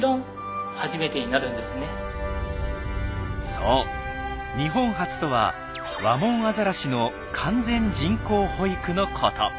そう日本初とはワモンアザラシの完全人工哺育のこと。